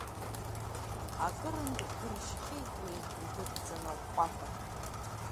Акырынтә дыршьхьеит уи игәыдҵан аҟәҟәаҳәа…